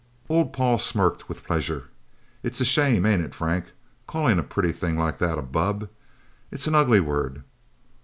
Old Paul smirked with pleasure. "It's a shame, ain't it, Frank calling a pretty thing like that a 'bubb' it's an ugly word.